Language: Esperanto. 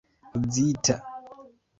uzita